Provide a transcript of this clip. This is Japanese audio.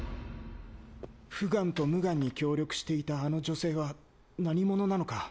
フガンとムガンに協力していたあの女性は何者なのか。